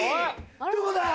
どこだ？